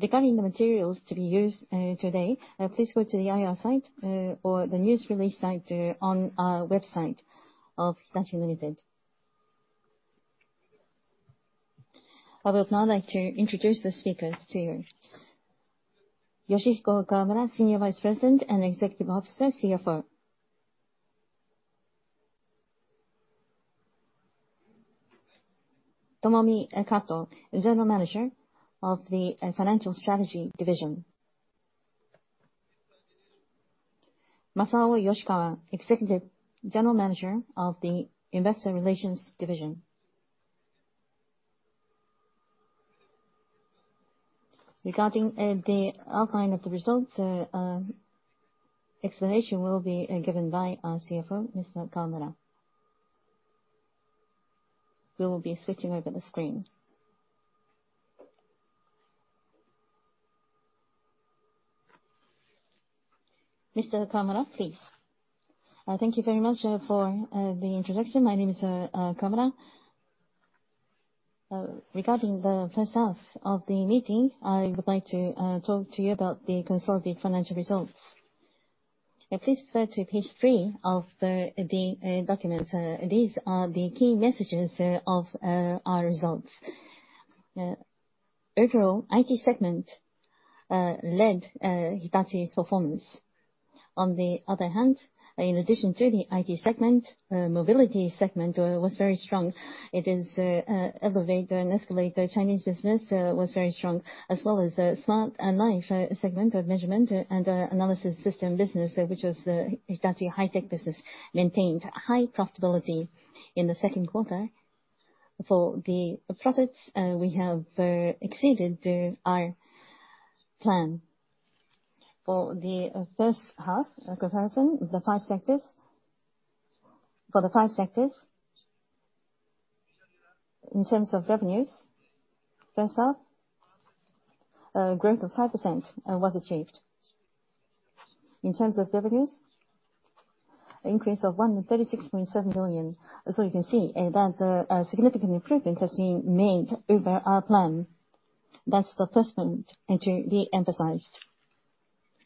Regarding the materials to be used today, please go to the IR site or the news release site on our website of Hitachi, Ltd. I would now like to introduce the speakers to you. Yoshihiko Kawamura, Senior Vice President and Executive Officer, CFO. Tomomi Kato, General Manager of the Financial Strategy Division. Masao Yoshikawa, Executive General Manager of the Investor Relations Division. Regarding the outline of the results, explanation will be given by our CFO, Mr. Kawamura. We will be switching over the screen. Mr. Kawamura, please. Thank you very much for the introduction. My name is Kawamura. Regarding the first half of the meeting, I would like to talk to you about the consolidated financial results. Please refer to page three of the documents. These are the key messages of our results. Overall, IT segment led Hitachi's performance. In addition to the IT segment, mobility segment was very strong. Its elevator and escalator Chinese business was very strong, as well as the smart life segment of measurement and analysis system business, which was Hitachi High-Tech business, maintained high profitability in the second quarter. For the profits, we have exceeded our plan. For the first half comparison, the five sectors. For the five sectors, in terms of revenues, first half, growth of 5% was achieved. In terms of revenues, increase of 136.7 billion. You can see that a significant improvement has been made over our plan. That's the first point to be emphasized.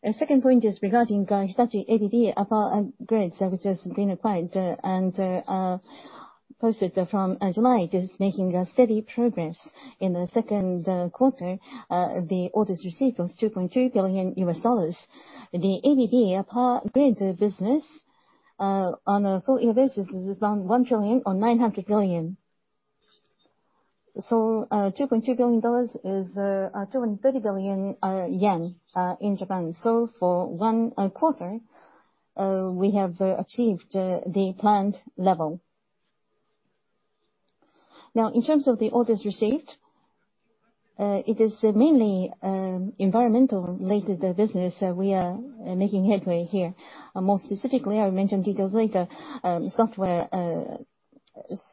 The second point is regarding Hitachi ABB Power Grids, which has been acquired and posted from July. It is making steady progress. In the second quarter, the orders received was $2.2 billion. The ABB Power Grids business on a full year basis is around 1 trillion or 900 billion. $2.2 billion is 350 billion yen in Japan. For one quarter, we have achieved the planned level. In terms of the orders received, it is mainly environmental-related business we are making headway here. More specifically, I will mention details later, software,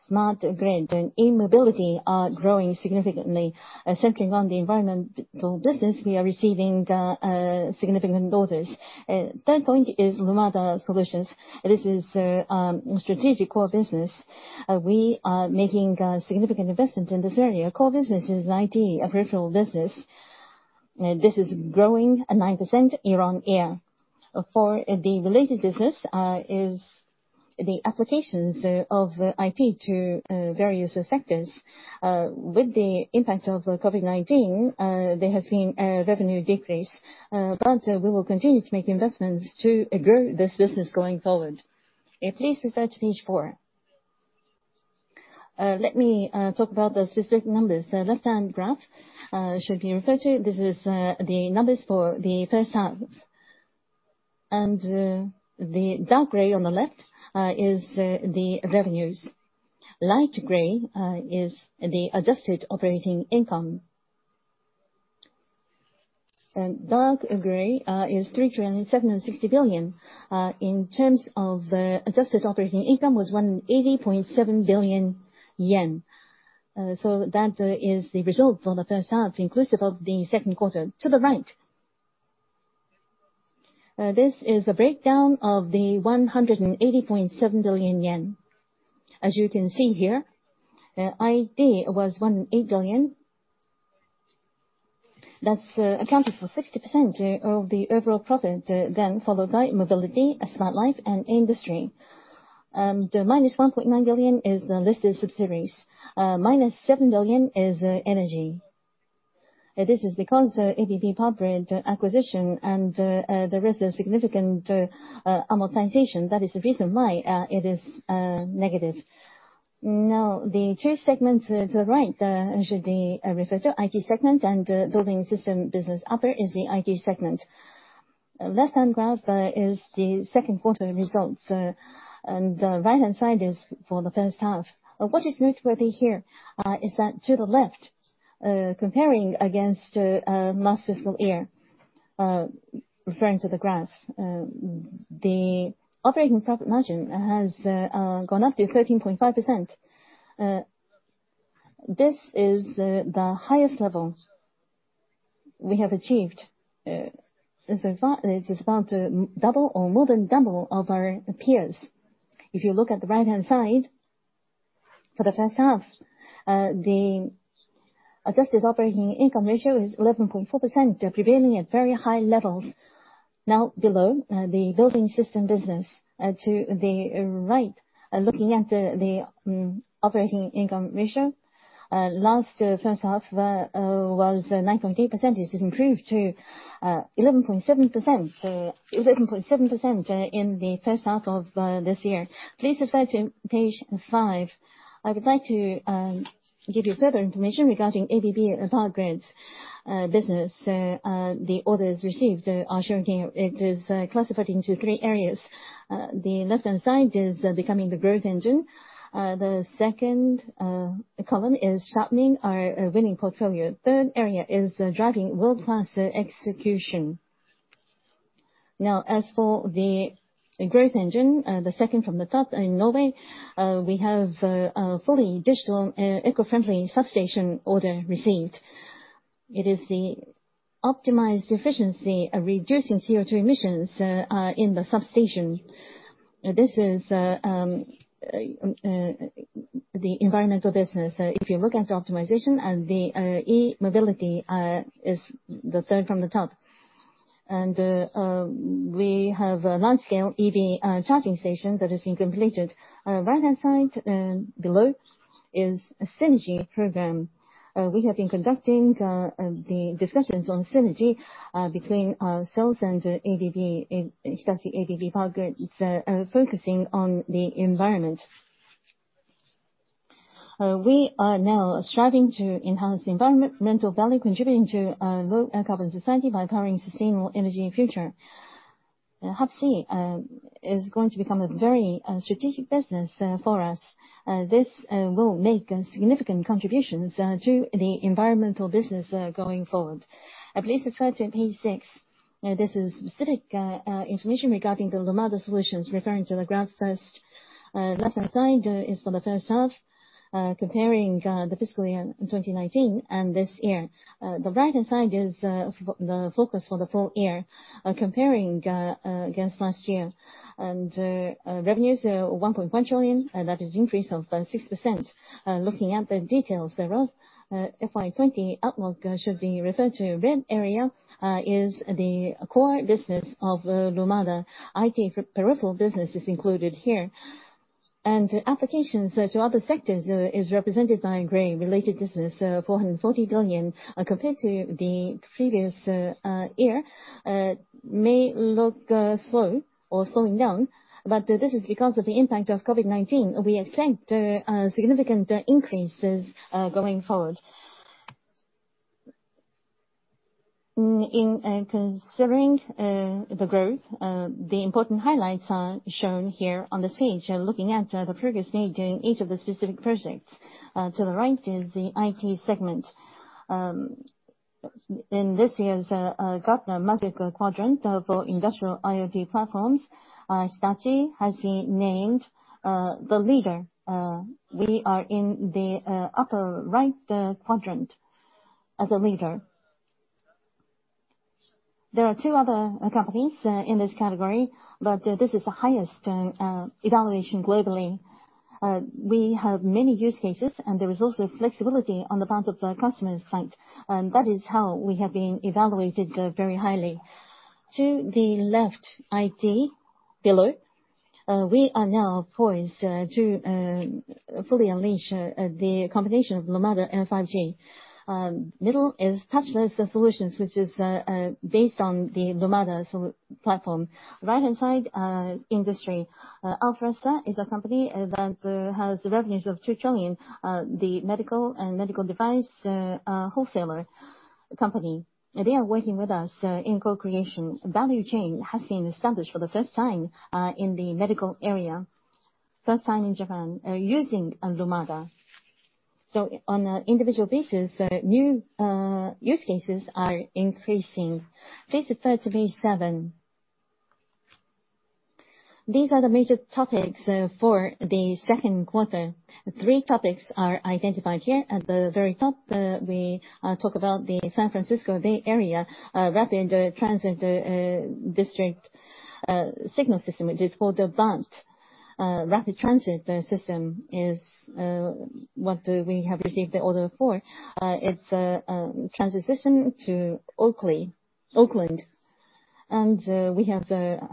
smart grid, and e-mobility are growing significantly. Centering on the environmental business, we are receiving significant orders. Third point is Lumada Solutions. This is a strategic core business. We are making significant investments in this area. Core business is IT, a virtual business. This is growing at 9% year-on-year. For the related business is the applications of IT to various sectors. With the impact of COVID-19, there has been a revenue decrease, but we will continue to make investments to grow this business going forward. Please refer to page four. Let me talk about the specific numbers. Left-hand graph should be referred to. This is the numbers for the first half. The dark gray on the left is the revenues. Light gray is the adjusted operating income. Dark gray is 3.760 trillion. In terms of adjusted operating income was 180.7 billion yen. That is the result for the first half, inclusive of the second quarter. To the right, this is a breakdown of the 180.7 billion yen. As you can see here, IT was 108 billion. That's accounted for 60% of the overall profit, then followed by mobility, smart life, and industry. The -1.9 billion is the listed subsidiaries, -7 billion is energy. This is because ABB Power Grids acquisition and there is a significant amortization. That is the reason why it is negative. The two segments to the right should be referred to, IT segment and Building System business. Upper is the IT segment. Left-hand graph is the second quarter results, right-hand side is for the first half. What is noteworthy here is that to the left, comparing against last fiscal year, referring to the graph, the operating profit margin has gone up to 13.5%. This is the highest level we have achieved. It is about double or more than double of our peers. If you look at the right-hand side. For the first half, the adjusted operating income ratio is 11.4%, prevailing at very high levels. Below, the Building System business to the right, looking at the operating income ratio. Last first half was 9.3%. This has improved to 11.7% in the first half of this year. Please refer to page five. I would like to give you further information regarding ABB Power Grids business. The orders received are showing it is classified into three areas. The left-hand side is becoming the growth engine. The second column is sharpening our winning portfolio. Third area is driving world-class execution. As for the growth engine, the second from the top in Norway, we have a fully digital, eco-friendly substation order received. It is the optimized efficiency, reducing CO2 emissions in the substation. This is the environmental business. If you look at the optimization and the e-mobility is the third from the top. We have a large-scale EV charging station that has been completed. Right-hand side, below is a synergy program. We have been conducting the discussions on synergy between sales and Hitachi ABB Power Grids, focusing on the environment. We are now striving to enhance environmental value, contributing to low carbon society by powering sustainable energy future. HVDC is going to become a very strategic business for us. This will make significant contributions to the environmental business going forward. Please refer to page six. This is specific information regarding the Lumada Solutions, referring to the graph first. Left-hand side is for the first half, comparing the fiscal year 2019 and this year. Right-hand side is the focus for the full year, comparing against last year. Revenues of 1.1 trillion, that is increase of 6%. Looking at the details there, FY 2020 outlook should be referred to. Red area is the core business of Lumada. IT peripheral business is included here. Applications to other sectors is represented by gray. Related business, 440 billion, compared to the previous year, may look slow or slowing down, but this is because of the impact of COVID-19. We expect significant increases going forward. In considering the growth, the important highlights are shown here on this page. Looking at the progress made in each of the specific projects. To the right is the IT segment. In this year's Gartner Magic Quadrant for Industrial IoT Platforms, Hitachi has been named the leader. We are in the upper right quadrant as a leader. There are two other companies in this category, but this is the highest evaluation globally. We have many use cases, and there is also flexibility on the part of the customer site. That is how we have been evaluated very highly. To the left, IT below, we are now poised to fully unleash the combination of Lumada and 5G. Middle is touchless solutions, which is based on the Lumada platform. Right-hand side, industry. Alfresa is a company that has revenues of 2 trillion, the medical device wholesaler company. They are working with us in co-creation. Value chain has been established for the first time in the medical area, first time in Japan, using Lumada. On an individual basis, new use cases are increasing. Please refer to page seven. These are the major topics for the second quarter. Three topics are identified here. At the very top, we talk about the San Francisco Bay Area Rapid Transit District signal system, which is called BART. Rapid transit system is what we have received the order for. It's a transit system to Oakland. We have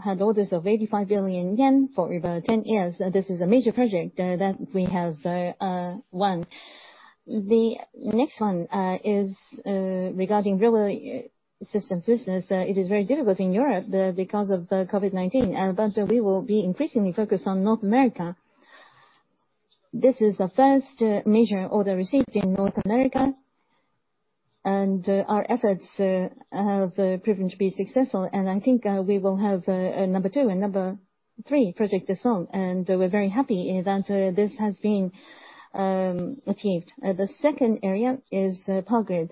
had orders of 85 billion yen for over 10 years. This is a major project that we have won. The next one is regarding railway systems business. It is very difficult in Europe because of the COVID-19. We will be increasingly focused on North America. This is the first major order received in North America, and our efforts have proven to be successful. I think we will have a number two and number three project as well, and we're very happy that this has been achieved. The second area is Power Grid.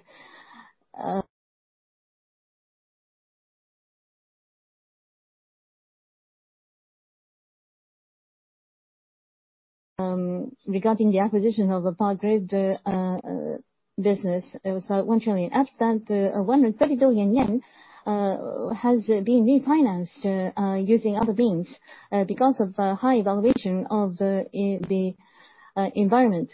Regarding the acquisition of the Power Grid business, it was 1 trillion upfront, 130 billion yen has been refinanced using other means, because of high evaluation of the environment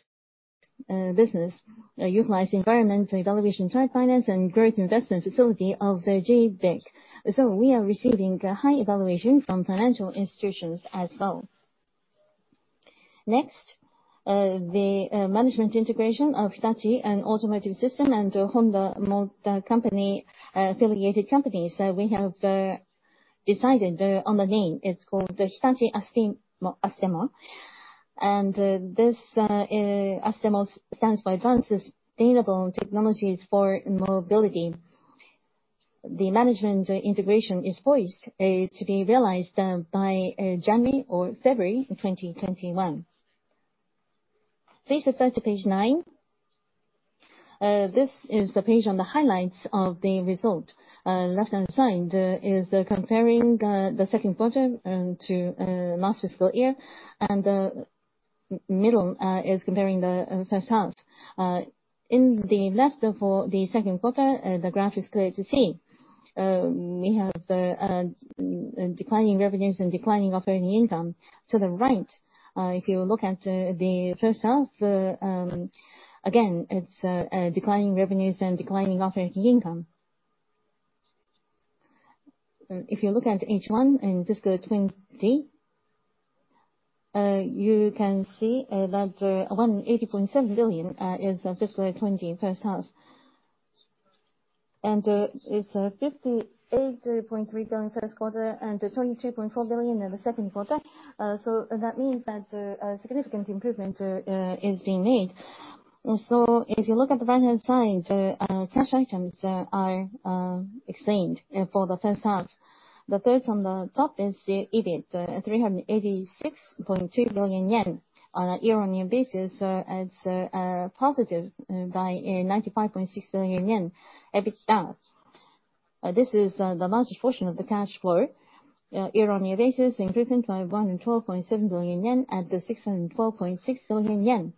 business utilizing environmental evaluation type finance and growth investment facility of JBIC. We are receiving high evaluation from financial institutions as well. Next, the management integration of Hitachi and Automotive Systems and Honda Motor Company affiliated companies. We have decided on the name. It's called Hitachi Astemo. This Astemo stands for Advanced Sustainable Technologies for Mobility. The management integration is poised to be realized by January or February 2021. Please refer to page nine. This is the page on the highlights of the result. Left-hand side is comparing the second quarter to last fiscal year, and the middle is comparing the first half. In the left for the second quarter, the graph is clear to see. We have declining revenues and declining operating income. To the right, if you look at the first half, again, it's declining revenues and declining operating income. If you look at each one in fiscal 2020, you can see that 180.7 billion is fiscal 2020 first half. It's 58.3 billion first quarter and 22.4 billion in the second quarter. That means that a significant improvement is being made. If you look at the right-hand side, cash items are explained for the first half. The third from the top is the EBIT, 386.2 billion yen. On a year-on-year basis, it's positive by 95.6 billion yen. EBITDA, this is the largest portion of the cash flow. Year-on-year basis, improvement by 112.7 billion yen at 604.6 billion yen.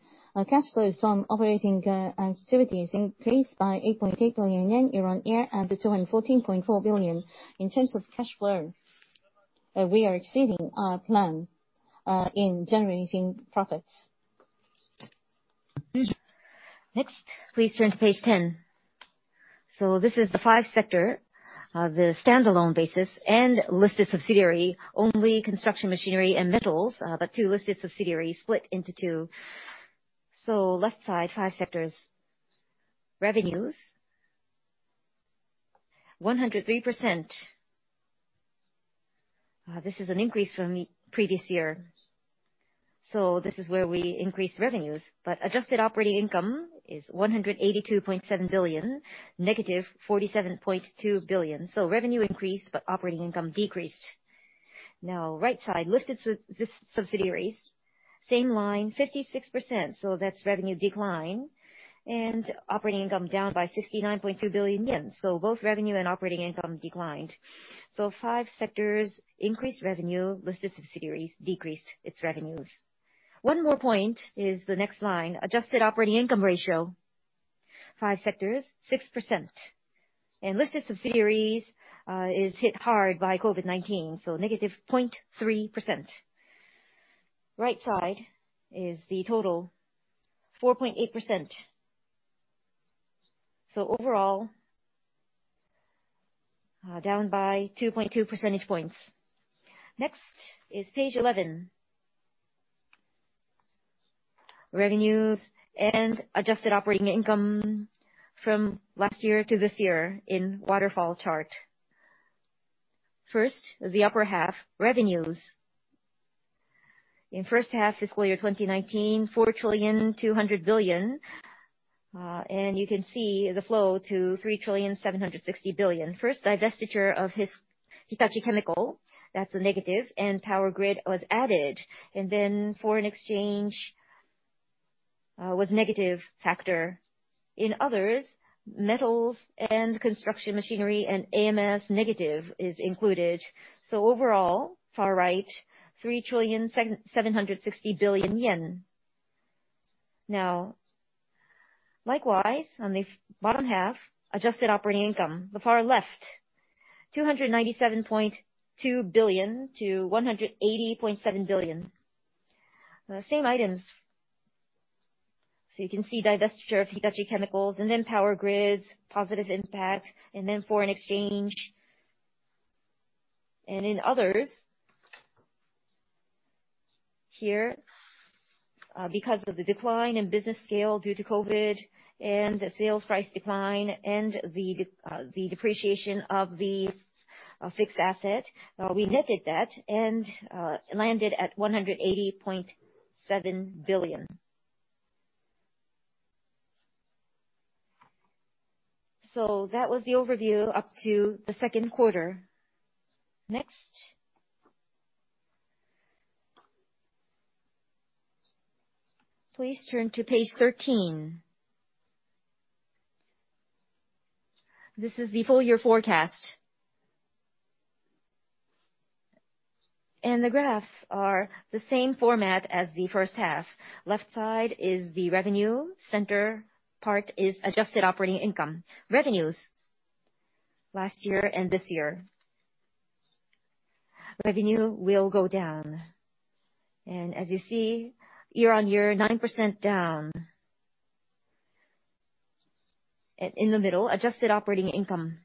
Cash flows from operating activities increased by 8.8 billion yen year-on-year to 14.4 billion. In terms of cash flow, we are exceeding our plan in generating profits. Please turn to page 10. This is the five-sector, the standalone basis and listed subsidiary, only Hitachi Construction Machinery and Metals, the two listed subsidiaries split into two. Left side, five sectors. Revenues 103%. This is an increase from the previous year. This is where we increased revenues. Adjusted operating income is 182.7 billion, -47.2 billion. Revenue increased, but operating income decreased. Right side, listed subsidiaries, same line, 56%, that's revenue decline, operating income down by 69.2 billion yen. Both revenue and operating income declined. Five sectors increased revenue, listed subsidiaries decreased its revenues. One more point is the next line. Adjusted operating income ratio, five sectors, 6%. Listed subsidiaries is hit hard by COVID-19, -0.3%. Right side is the total, 4.8%. Overall, down by 2.2 percentage points. Next is page 11. Revenues and adjusted operating income from last year to this year in waterfall chart. First, the upper half, revenues. In first half fiscal year 2019, 4 trillion, 200 billion. You can see the flow to 3 trillion, 760 billion. First, divestiture of Hitachi Chemical, that's a negative, Power Grid was added, foreign exchange was negative factor. In others, Hitachi Metals and Hitachi Construction Machinery and AMS negative is included. Overall, far right, 3.760 trillion. Likewise, on the bottom half, adjusted operating income. The far left, 297.2 billion to 180.7 billion. The same items. You can see divestiture of Hitachi Chemical and then Power Grids, positive impact, and then foreign exchange. In others, here, because of the decline in business scale due to COVID-19 and the sales price decline and the depreciation of the fixed asset, we netted that and landed at JPY 180.7 billion. That was the overview up to the second quarter. Next. Please turn to page 13. This is the full year forecast. The graphs are the same format as the first half. Left side is the revenue, center part is adjusted operating income. Revenues last year and this year. Revenue will go down. As you see, year-on-year, 9% down. In the middle, adjusted operating income.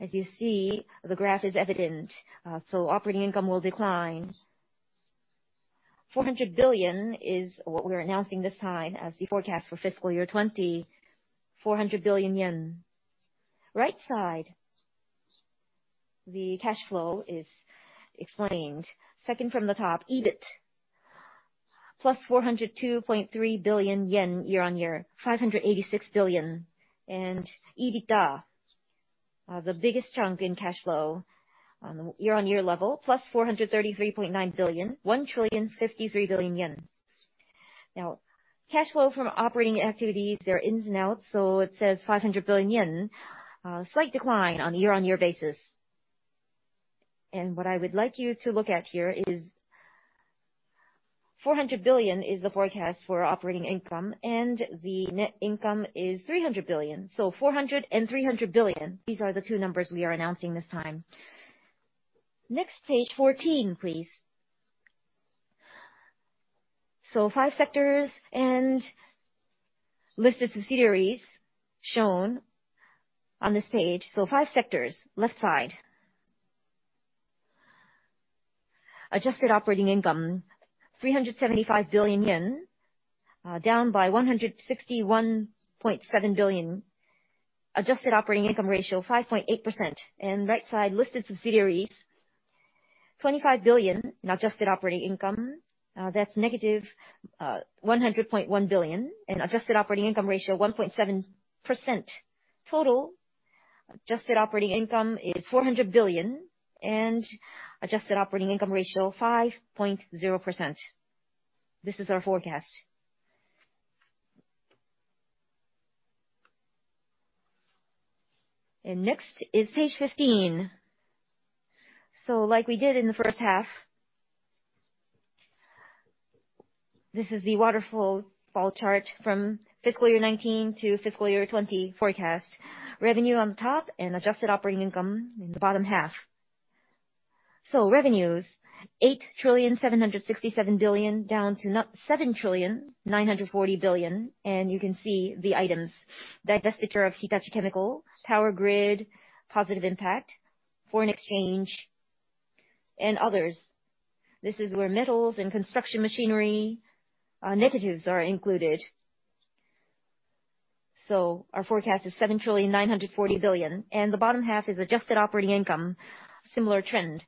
As you see, the graph is evident. Operating income will decline. 400 billion is what we're announcing this time as the forecast for fiscal year 2020, 400 billion yen. Right side, the cash flow is explained. Second from the top, EBIT, JPY +402.3 billion year-on-year, JPY 586 billion. EBITDA, the biggest chunk in cash flow on a year-on-year level, +433.9 billion, 1,053 billion yen. Cash flow from operating activities, there are ins and outs, it says 500 billion yen. A slight decline on a year-on-year basis. What I would like you to look at here is 400 billion is the forecast for operating income, the net income is 300 billion. 400 billion and 300 billion. These are the two numbers we are announcing this time. Next, page 14, please. Five sectors and listed subsidiaries shown on this page. Five sectors, left side. Adjusted operating income, 375 billion yen, down by 161.7 billion. Adjusted operating income ratio, 5.8%. Right side, listed subsidiaries, 25 billion in adjusted operating income. That's -100.1 billion. Adjusted operating income ratio, 1.7%. Total adjusted operating income is 400 billion and adjusted operating income ratio 5.0%. This is our forecast. Next is page 15. Like we did in the first half, this is the waterfall chart from fiscal year 2019 to fiscal year 2020 forecast. Revenue on top and adjusted operating income in the bottom half. Revenues, 8.767 trillion, down to 7.940 trillion, and you can see the items. Divestiture of Hitachi Chemical, Power Grid, positive impact, foreign exchange, and others. This is where metals and construction machinery negatives are included. Our forecast is 7.940 trillion, The bottom half is adjusted operating income, similar trend.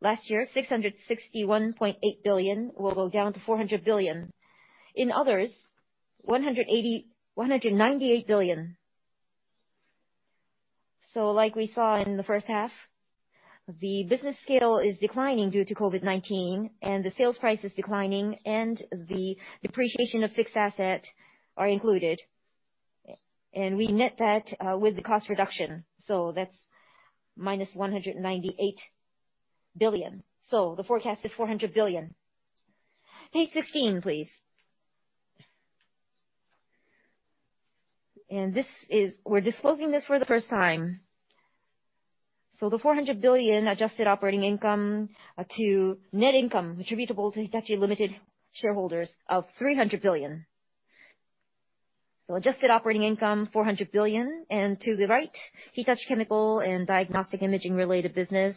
Last year, 661.8 billion will go down to 400 billion. In others, 198 billion. Like we saw in the first half, the business scale is declining due to COVID-19, the sales price is declining, the depreciation of fixed asset are included. We net that with the cost reduction. That's -198 billion. The forecast is 400 billion. Page 16, please. We're disclosing this for the first time. The 400 billion adjusted operating income to net income attributable to Hitachi Limited shareholders of 300 billion. Adjusted operating income 400 billion. To the right, Hitachi Chemical and diagnostic imaging-related business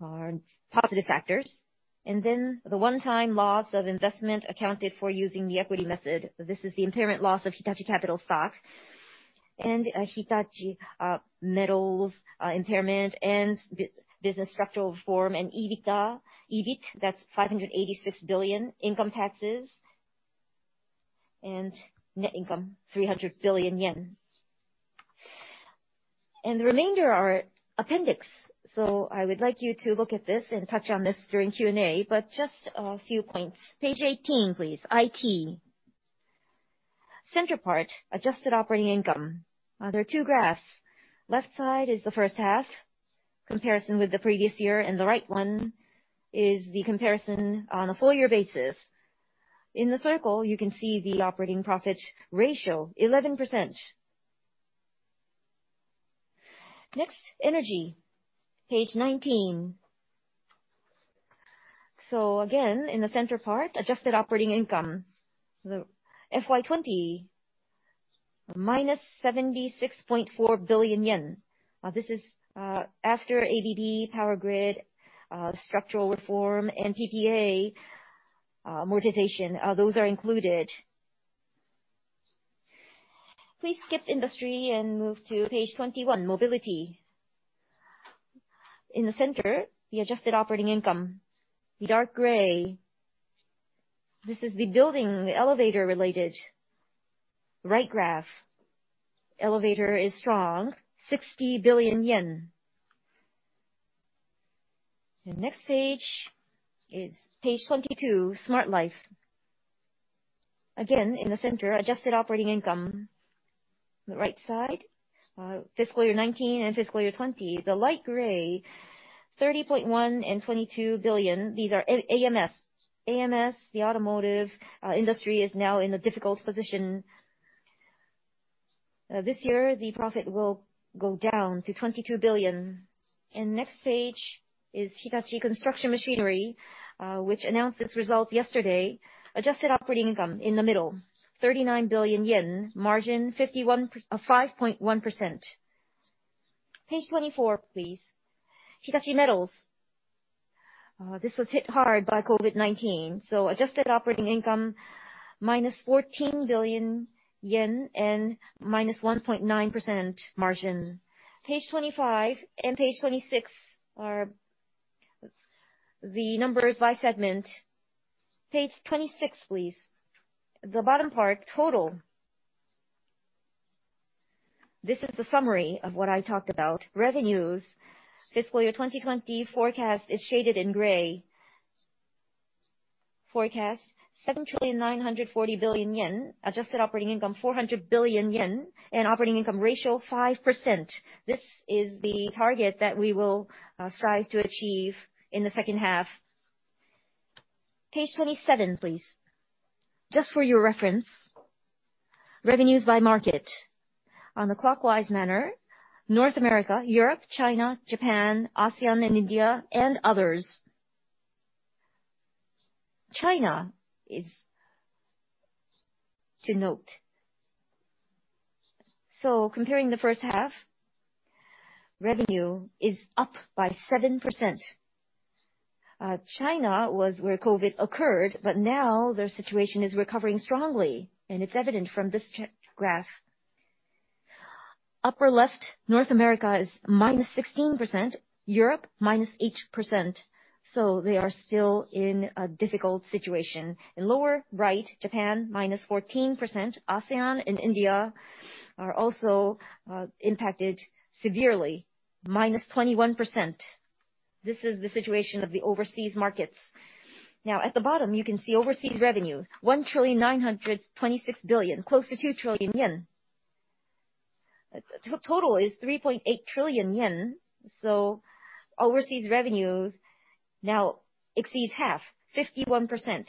are positive factors. The one-time loss of investment accounted for using the equity method. This is the impairment loss of Hitachi Capital stock. Hitachi Metals impairment and business structural reform and EBIT. That's 586 billion income taxes. Net income, 300 billion yen. The remainder are appendix. I would like you to look at this and touch on this during Q&A, but just a few points. Page 18, please. IT. Center part, adjusted operating income. There are two graphs. Left side is the first half, comparison with the previous year, and the right one is the comparison on a full-year basis. In the circle, you can see the operating profit ratio, 11%. Next, energy. Page 19. Again, in the center part, adjusted operating income. The FY 2020, -76.4 billion yen. This is after ABB Power Grids structural reform and PPA amortization. Those are included. Please skip industry and move to page 21, mobility. In the center, the adjusted operating income. The dark gray, this is the building, the elevator related. Right graph, elevator is strong, 60 billion yen. The next page is page 22, Smart Life. Again, in the center, adjusted operating income. On the right side, fiscal year 2019 and fiscal year 2020. The light gray, 30.1 billion and 22 billion. These are AMS. AMS, the automotive industry is now in a difficult position. This year, the profit will go down to 22 billion. Next page is Hitachi Construction Machinery, which announced its results yesterday. Adjusted operating income in the middle, 39 billion yen, margin 5.1%. Page 24, please. Hitachi Metals. This was hit hard by COVID-19, adjusted operating income, -14 billion yen and -1.9% margin. Page 25 and page 26 are the numbers by segment. Page 26, please. The bottom part, total. This is the summary of what I talked about. Revenues FY 2020 forecast is shaded in gray. Forecast 7.940 trillion. Adjusted operating income, 400 billion yen. Operating income ratio 5%. This is the target that we will strive to achieve in the second half. Page 27, please. Just for your reference, revenues by market. On the clockwise manner: North America, Europe, China, Japan, ASEAN and India, and others. China is to note. Comparing the first half, revenue is up by 7%. China was where COVID occurred, but now their situation is recovering strongly, and it's evident from this graph. Upper left, North America is -16%, Europe -8%, so they are still in a difficult situation. In lower right, Japan, -14%. ASEAN and India are also impacted severely, -21%. This is the situation of the overseas markets. At the bottom, you can see overseas revenue, 1.926 trillion, close to 2 trillion yen. Total is 3.8 trillion yen, overseas revenues now exceed half, 51%.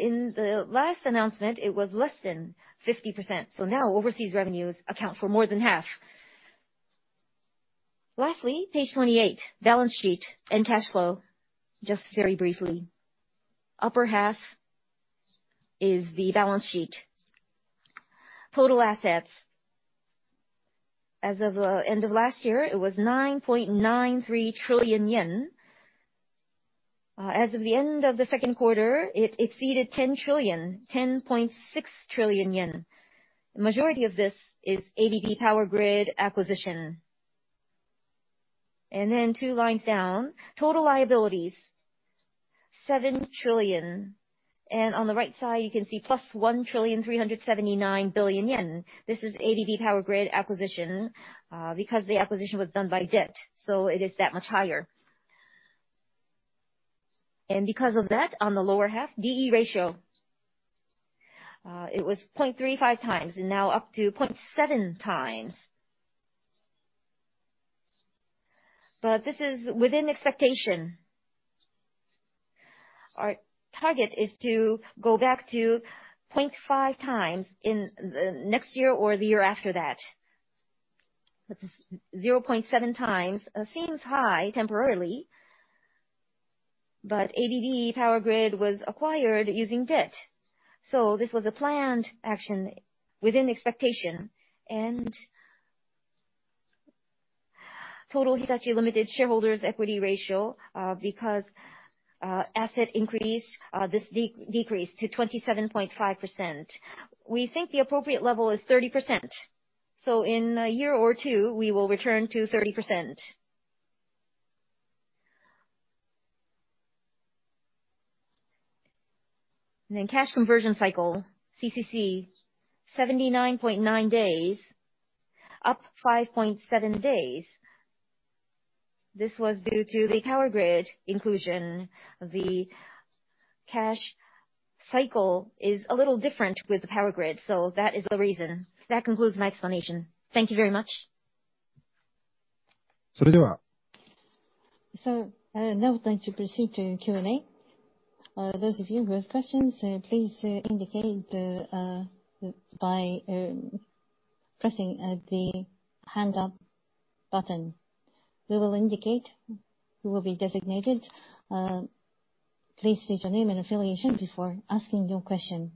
In the last announcement, it was less than 50%, now overseas revenues account for more than half. Lastly, page 28, balance sheet and cash flow, just very briefly. Upper half is the balance sheet. Total assets as of the end of last year, it was 9.93 trillion yen. As of the end of the second quarter, it exceeded 10 trillion, 10.6 trillion yen. The majority of this is ABB Power Grids acquisition. Two lines down, total liabilities, 7 trillion. On the right side, you can see +1.379 trillion. This is ABB Power Grids acquisition. Because the acquisition was done by debt, it is that much higher. Because of that, on the lower half, D/E ratio, it was 0.35x and now up to 0.7x. This is within expectation. Our target is to go back to 0.5x in next year or the year after that. 0.7x seems high temporarily, ABB Power Grids was acquired using debt. This was a planned action within expectation. Total Hitachi Limited shareholders' equity ratio, because asset increased, this decreased to 27.5%. We think the appropriate level is 30%, in a year or two, we will return to 30%. Cash conversion cycle, CCC, 79.9 days, up 5.7 days. This was due to the ABB Power Grids inclusion. The cash cycle is a little different with ABB Power Grids, that is the reason. That concludes my explanation. Thank you very much. Now we're going to proceed to Q&A. Those of you who have questions, please indicate by pressing the hand up button. We will indicate who will be designated. Please state your name and affiliation before asking your question.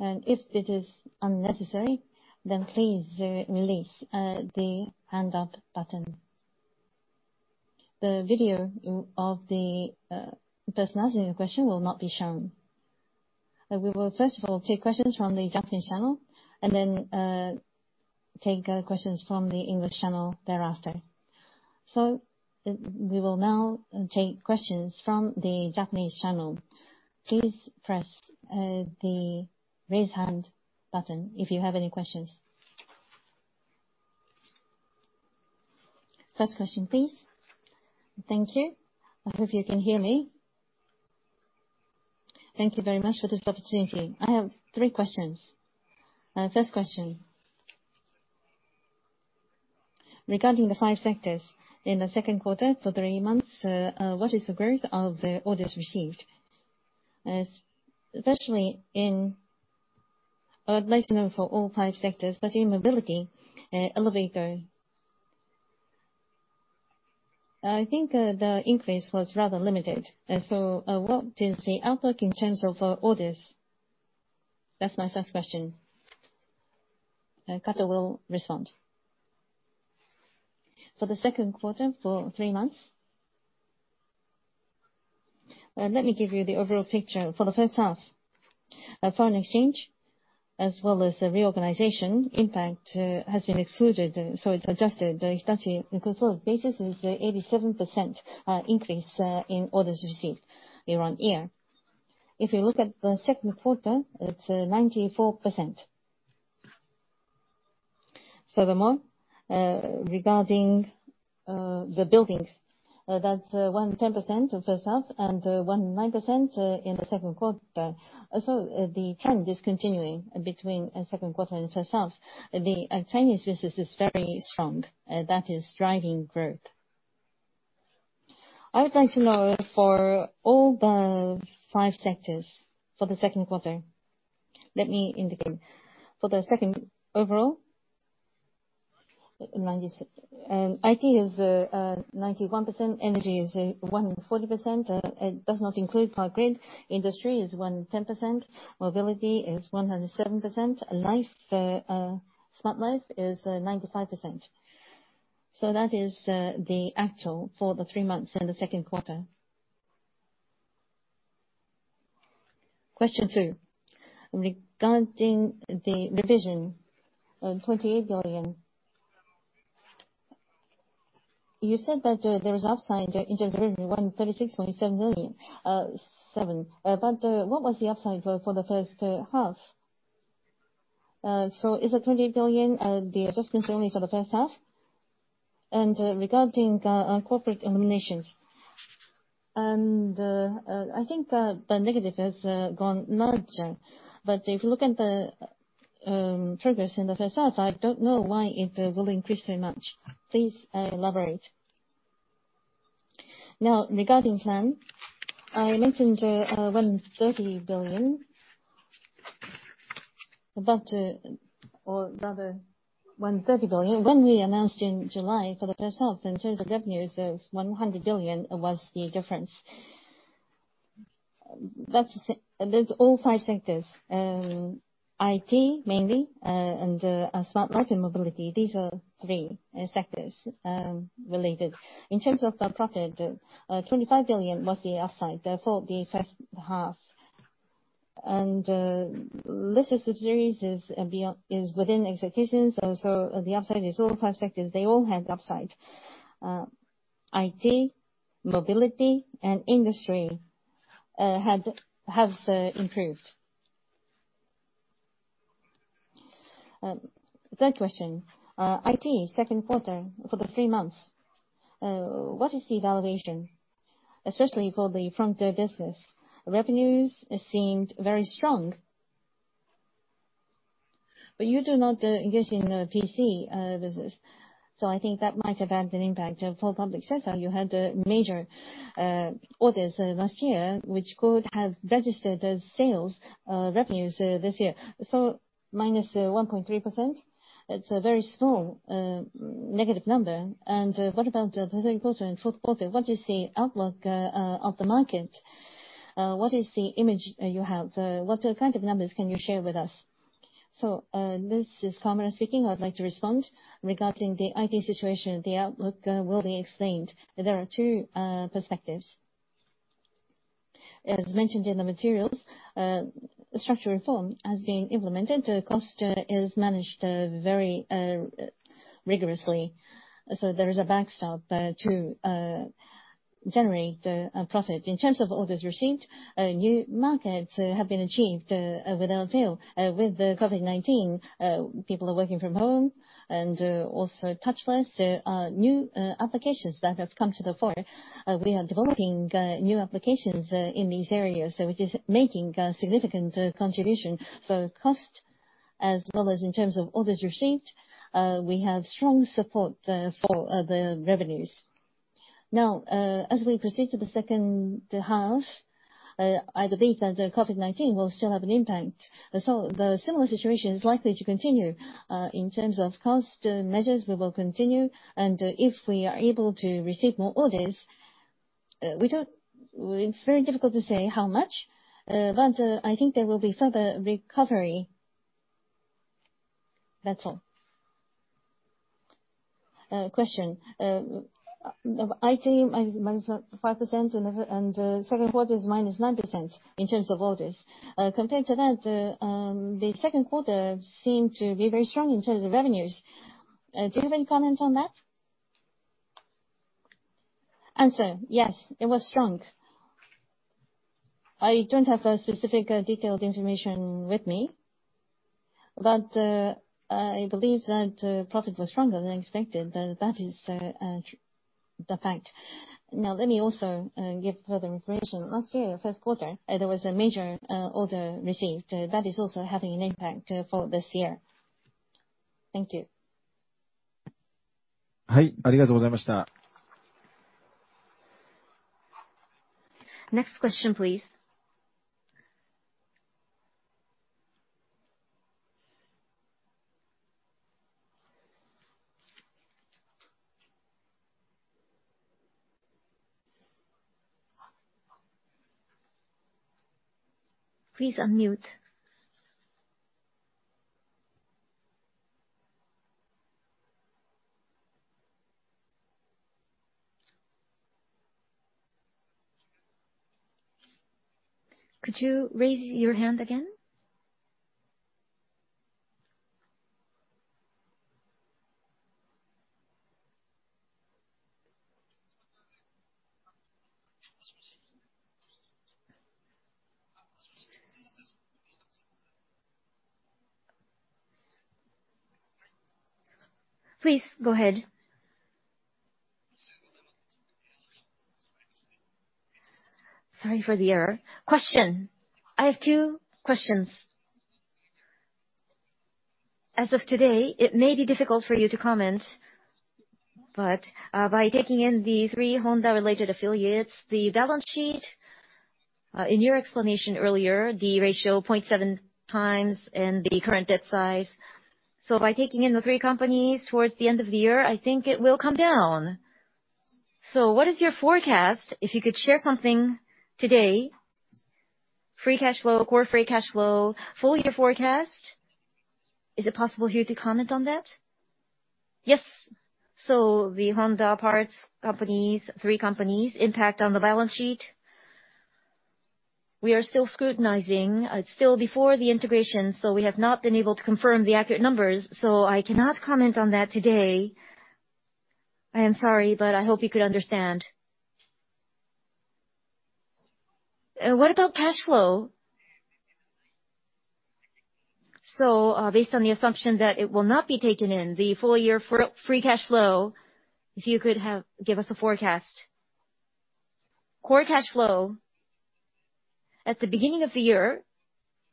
If it is unnecessary, then please release the hand up button. The video of the person asking the question will not be shown. We will first of all take questions from the Japanese channel and then take questions from the English channel thereafter. We will now take questions from the Japanese channel. Please press the raise hand button if you have any questions. First question, please. Thank you. I hope you can hear me. Thank you very much for this opportunity. I have three questions. First question. Regarding the five sectors in the second quarter for three months, what is the growth of the orders received? Especially, I’d like to know for all five sectors, but in mobility and elevator. I think the increase was rather limited. What is the outlook in terms of orders? That’s my first question. Kato will respond. For the second quarter, for three months, let me give you the overall picture. For the first half, foreign exchange as well as the reorganization impact has been excluded, it’s adjusted. The Hitachi consolidated basis is 87% increase in orders received year-on-year. If you look at the second quarter, it’s 94%. Furthermore, regarding the Buildings, that’s 110% for itself and 109% in the second quarter. The trend is continuing between second quarter and first half. The Chinese business is very strong. That is driving growth. I would like to know for all the five sectors for the second quarter. Let me indicate. For the second overall, IT is 91%, energy is 140%, it does not include power grid, industry is 110%, mobility is 107%, Smart Life is 95%. That is the actual for the three months and the second quarter. Question two, regarding the revision of JPY 28 billion. You said that there was upside in terms of revenue, 136.7 billion. What was the upside for the first half? Is the 28 billion the adjustments only for the first half? Regarding corporate eliminations, and I think the negative has gone larger. If you look at the progress in the first half, I don't know why it will increase so much. Please elaborate. Regarding plan, I mentioned 130 billion. When we announced in July for the first half in terms of revenues, 100 billion was the difference. That's all five sectors. IT, mainly, and Smart Life, and Mobility. These are three sectors related. In terms of the profit, 25 billion was the upside for the first half. List of subsidiaries is within executions, the upside is all five sectors. They all had upside. IT, Mobility, and Industry have improved. Third question. IT, second quarter for the three months, what is the evaluation, especially for the front-end business? Revenues seemed very strong, you do not engage in PC business, I think that might have had an impact. For public sector, you had major orders last year, which could have registered as sales revenues this year. So -1.3%, it's a very small negative number. What about the third quarter and fourth quarter? What is the outlook of the market? What is the image you have? What kind of numbers can you share with us? This is Kawamura speaking. I'd like to respond. Regarding the IT situation, the outlook will be explained. There are two perspectives. As mentioned in the materials, structural reform has been implemented. Cost is managed very rigorously. There is a backstop to generate a profit. In terms of orders received, new markets have been achieved with L2. With the COVID-19, people are working from home and also touchless. New applications that have come to the fore. We are developing new applications in these areas, which is making a significant contribution. Cost, as well as in terms of orders received, we have strong support for the revenues. As we proceed to the second half, I believe that COVID-19 will still have an impact. The similar situation is likely to continue. In terms of cost measures, we will continue, and if we are able to receive more orders, it's very difficult to say how much, but I think there will be further recovery. That's all. Question. IT -5% and second quarter is -9% in terms of orders. Compared to that, the second quarter seemed to be very strong in terms of revenues. Do you have any comments on that? Answer, yes, it was strong. I don't have specific detailed information with me, but I believe that profit was stronger than expected. That is true. The fact. Now let me also give further information. Last year, first quarter, there was a major order received. That is also having an impact for this year. Thank you. Next question, please. Please unmute. Could you raise your hand again? Please go ahead. Sorry for the error. Question. I have two questions. As of today, it may be difficult for you to comment, but by taking in the three Honda-related affiliates, the balance sheet, in your explanation earlier, the ratio 0.7x and the current debt size. By taking in the three companies towards the end of the year, I think it will come down. What is your forecast, if you could share something today, free cash flow, core free cash flow, full year forecast? Is it possible for you to comment on that? Yes. The Honda parts companies, three companies impact on the balance sheet. We are still scrutinizing. It's still before the integration, we have not been able to confirm the accurate numbers. I cannot comment on that today. I am sorry, but I hope you could understand. What about cash flow? Based on the assumption that it will not be taken in the full year for free cash flow, if you could give us a forecast. Core cash flow, at the beginning of the year,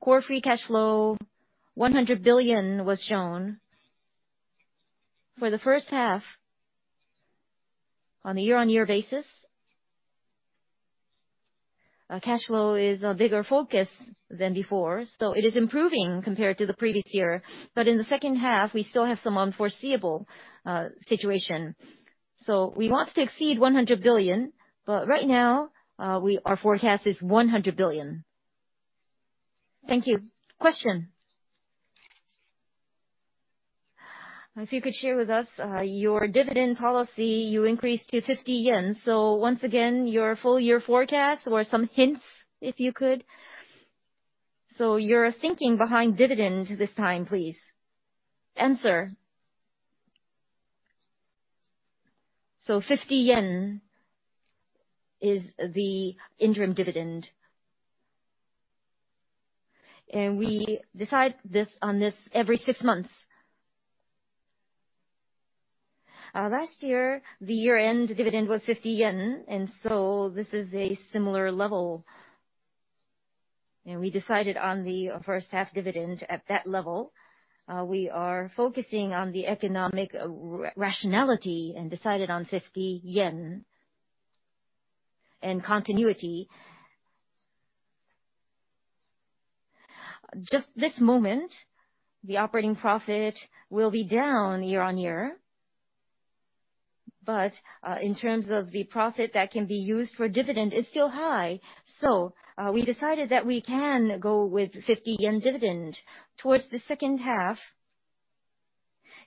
core free cash flow 100 billion was shown for the first half, on a year-over-year basis. Cash flow is a bigger focus than before, it is improving compared to the previous year. In the second half, we still have some unforeseeable situation. We want to exceed 100 billion, but right now, our forecast is 100 billion. Thank you. Question. If you could share with us your dividend policy, you increased to 50 yen. Once again, your full year forecast or some hints, if you could. Your thinking behind dividend this time, please. Answer. JPY 50 is the interim dividend. We decide on this every six months. Last year, the year-end dividend was 50 yen, this is a similar level. We decided on the first half dividend at that level. We are focusing on the economic rationality and decided on 50 yen and continuity. Just this moment, the operating profit will be down year-on-year. In terms of the profit that can be used for dividend is still high. We decided that we can go with 50 yen dividend. Towards the second half,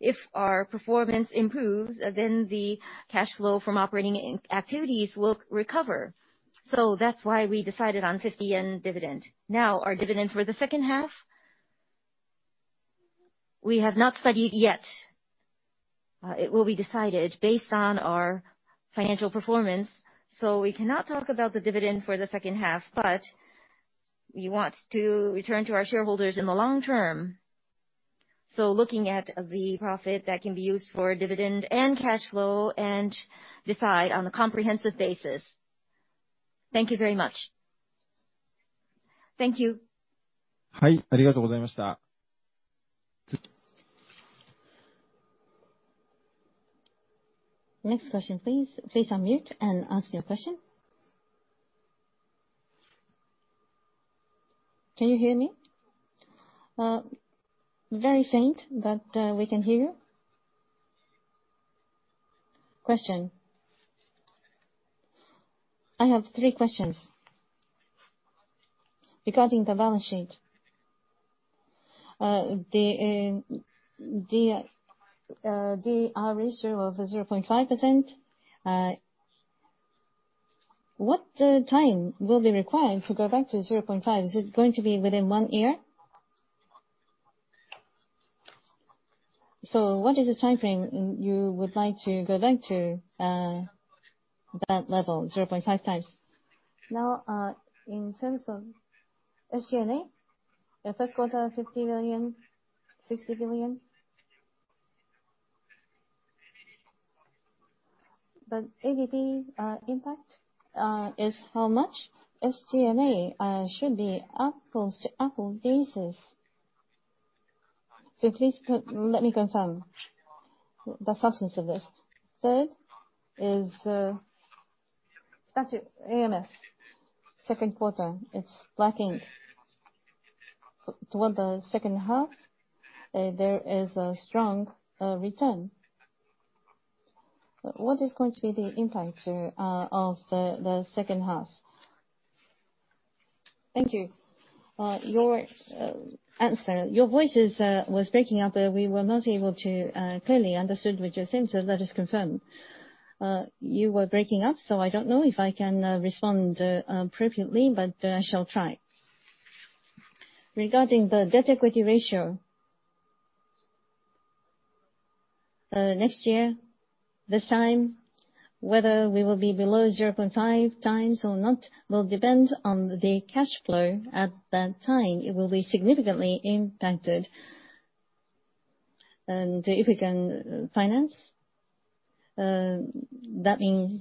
if our performance improves, the cash flow from operating activities will recover. That's why we decided on 50 yen dividend. Our dividend for the second half, we have not studied yet. It will be decided based on our financial performance. We cannot talk about the dividend for the second half, but we want to return to our shareholders in the long term. Looking at the profit that can be used for dividend and cash flow and decide on a comprehensive basis. Thank you very much. Thank you. Next question, please. Please unmute and ask your question. Can you hear me? Very faint, but we can hear you. Question. I have three questions. Regarding the balance sheet, the D/E ratio of 0.5%, what time will be required to go back to 0.5%? Is it going to be within one year? What is the timeframe you would like to go back to that level, 0.5x? Now, in terms of the first quarter, 50 billion, 60 billion. ABB impact is how much? SG&A should be apples to apples basis. Please let me confirm the substance of this. Third is actually AMS second quarter, it is lacking toward the second half, there is a strong return. What is going to be the impact of the second half? Thank you. Your answer, your voice was breaking up. We were not able to clearly understand what you're saying, so let us confirm. You were breaking up, so I don't know if I can respond appropriately, but I shall try. Regarding the debt equity ratio. Next year, this time, whether we will be below 0.5x or not will depend on the cash flow at that time. It will be significantly impacted. If we can finance, that means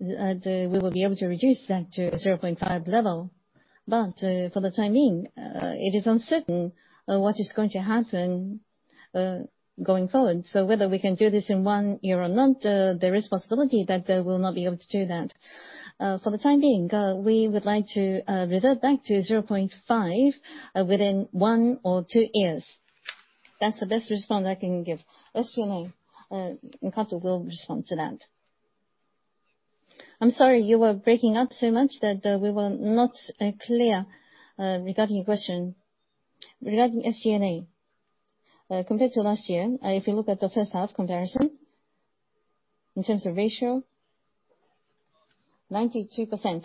that we will be able to reduce that to 0.5x level. For the time being, it is uncertain what is going to happen going forward. Whether we can do this in one year or not, there is possibility that we will not be able to do that. For the time being, we would like to revert back to 0.5% within one or two years. That's the best response I can give. Kato will respond to that. I'm sorry you were breaking up so much that we were not clear regarding your question. Regarding SG&A, compared to last year, if you look at the first half comparison, in terms of ratio, 92%.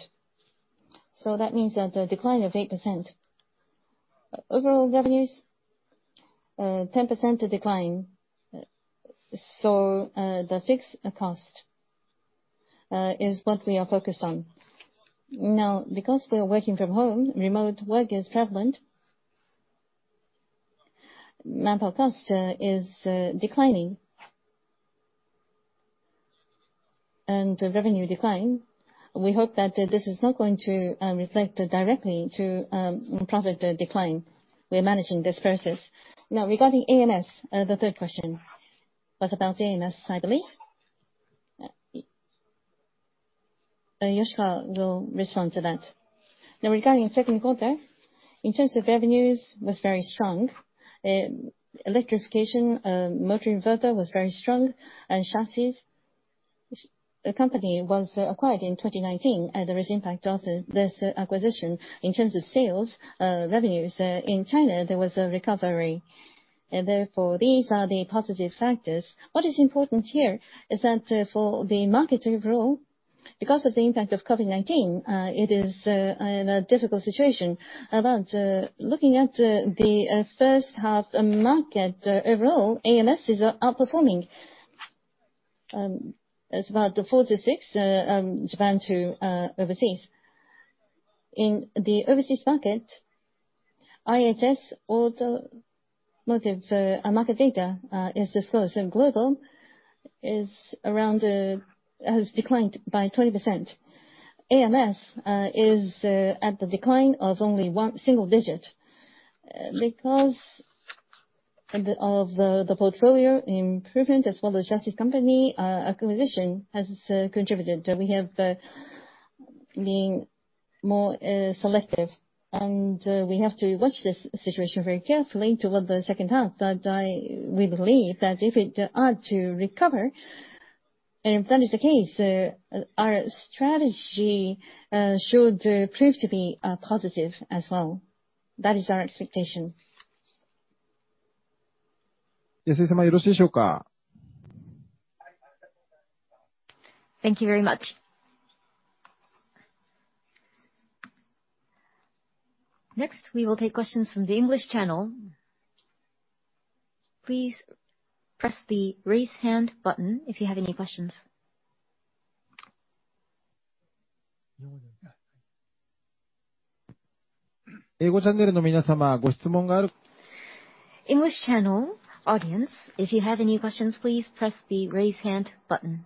That means that a decline of 8%. Overall revenues, 10% decline. The fixed cost is what we are focused on. Now, because we are working from home, remote work is prevalent. Manpower cost is declining, and revenue decline, we hope that this is not going to reflect directly to profit decline. We are managing this process. Now, regarding AMS, the third question was about AMS, I believe. Yoshikawa will respond to that. Now, regarding second quarter, in terms of revenues, was very strong. Electrification motor inverter was very strong, and chassis. The company was acquired in 2019. There is impact after this acquisition. In terms of sales revenues in China, there was a recovery. Therefore, these are the positive factors. What is important here is that for the market overall, because of the impact of COVID-19, it is in a difficult situation. Looking at the first half market overall, AMS is outperforming. It's about the 46, Japan to overseas. In the overseas market, IHS automotive market data is as follows, so global has declined by 20%. AMS is at the decline of only one single digit. Because of the portfolio improvement as well, the chassis company acquisition has contributed. We have been more selective, and we have to watch this situation very carefully toward the second half. We believe that if it is to recover, if that is the case, our strategy should prove to be positive as well. That is our expectation. Thank you very much. Next, we will take questions from the English channel. Please press the Raise Hand button if you have any questions. English channel audience, if you have any questions, please press the Raise Hand button.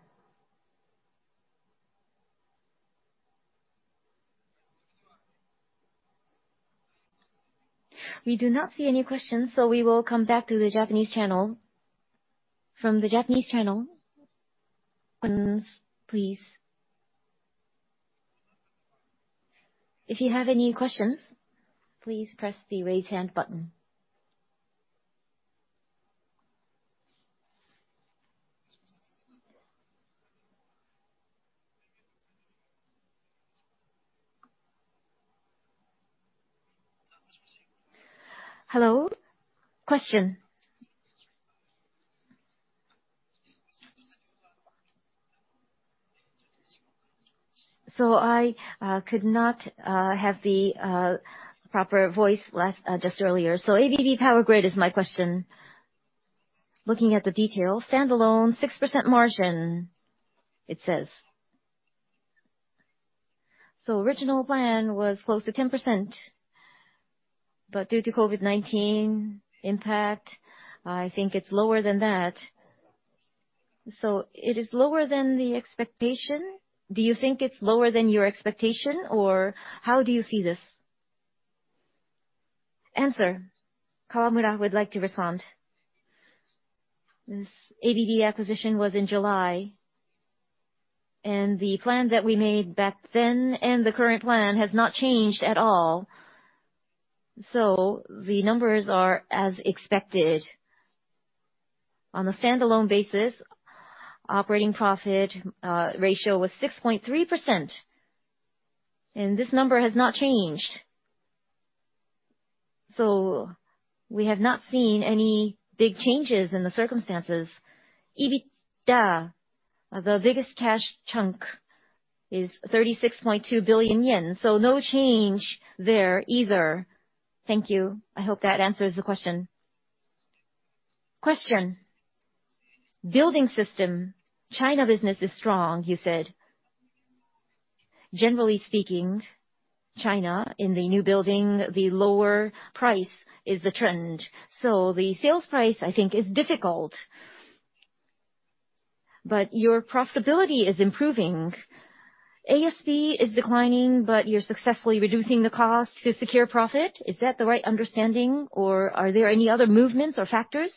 We do not see any questions, so we will come back to the Japanese channel. From the Japanese channel, questions please. If you have any questions, please press the Raise Hand button. Hello? Question. I could not have the proper voice just earlier. ABB Power Grids is my question. Looking at the details, standalone 6% margin it says. Original plan was close to 10%, but due to COVID-19 impact, I think it's lower than that. It is lower than the expectation. Do you think it's lower than your expectation, or how do you see this? Answer. Kawamura would like to respond. This ABB acquisition was in July, and the plan that we made back then, and the current plan has not changed at all. The numbers are as expected. On a standalone basis, operating profit ratio was 6.3%, and this number has not changed. We have not seen any big changes in the circumstances. EBITDA, the biggest cash chunk, is 36.2 billion yen, so no change there either. Thank you. I hope that answers the question. Question. Building System, China business is strong, you said. Generally speaking, China in the new building, the lower price is the trend. The sales price, I think, is difficult. Your profitability is improving. ASP is declining, you're successfully reducing the cost to secure profit. Is that the right understanding, or are there any other movements or factors?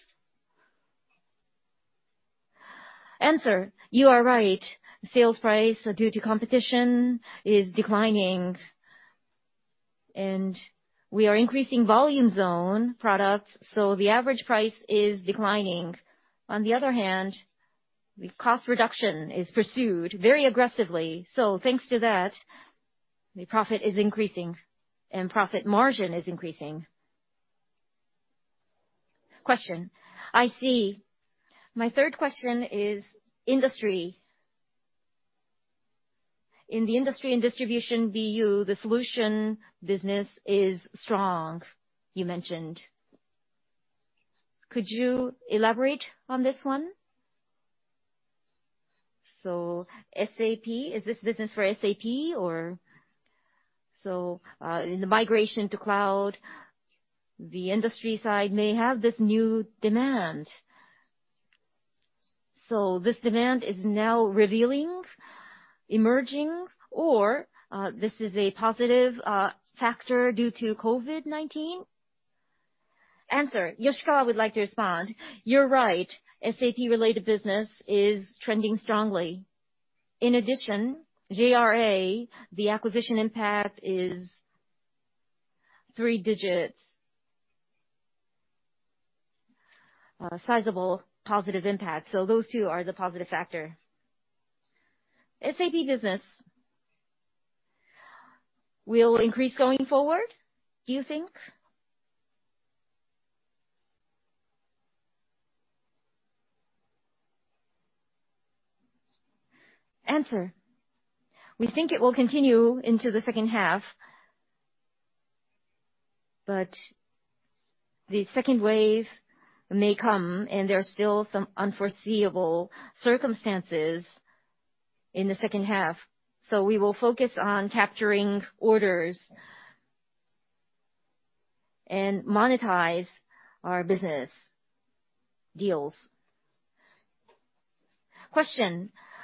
You are right. Sales price, due to competition, is declining, we are increasing volume zone products, the average price is declining. On the other hand, the cost reduction is pursued very aggressively, thanks to that, the profit is increasing and profit margin is increasing. I see. My third question is industry. In the Industry & Distribution BU, the solution business is strong, you mentioned. Could you elaborate on this one? SAP, is this business for SAP? In the migration to cloud, the industry side may have this new demand. This demand is now revealing, emerging, or this is a positive factor due to COVID-19? Yoshikawa would like to respond. You are right. SAP related business is trending strongly. In addition, JRA, the acquisition impact is three digits. A sizable positive impact. Those two are the positive factor. SAP business will increase going forward, do you think? We think it will continue into the second half, but the second wave may come, and there are still some unforeseeable circumstances in the second half. We will focus on capturing orders and monetize our business deals.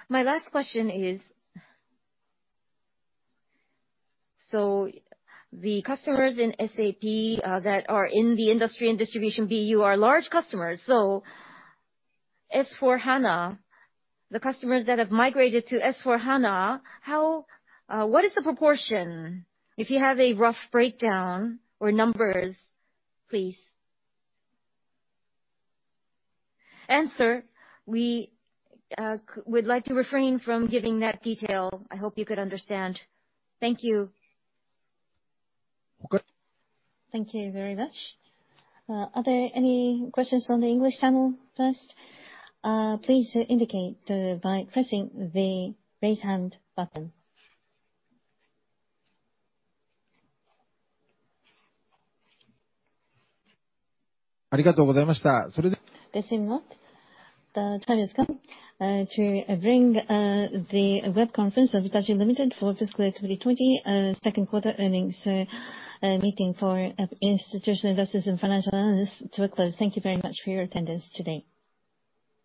My last question is, the customers in SAP that are in the Industry & Distribution BU are large customers. S/4HANA, the customers that have migrated to S/4HANA, what is the proportion? If you have a rough breakdown or numbers, please. We would like to refrain from giving that detail. I hope you could understand. Thank you. Thank you very much.